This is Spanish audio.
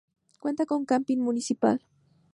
Cuenta con camping municipal.